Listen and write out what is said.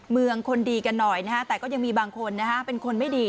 เมืองคนดีกันหน่อยนะฮะแต่ก็ยังมีบางคนนะฮะเป็นคนไม่ดี